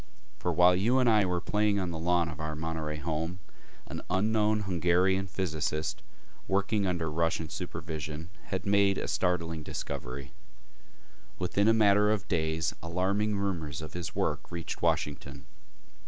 For while you and I were playing on the lawn of our Monterey home, an unknown Hungarian physicist working under Russian supervision had made a startling discovery. Within a matter of days alarming rumors of his work reached Washington.